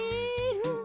うん。